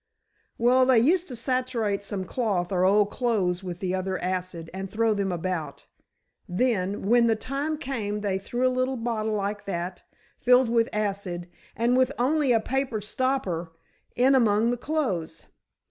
"Well, they used to saturate some cloth or old clothes with the other acid, and throw them about. Then, when the time came they threw a little bottle like that, filled with acid, and with only a paper stopper, in among the clothes.